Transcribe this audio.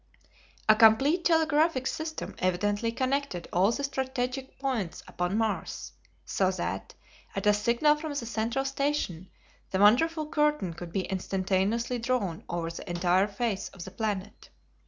A complete telegraphic system evidently connected all the strategic points upon Mars, so that, at a signal from the central station, the wonderful curtain could be instantaneously drawn over the entire face of the planet.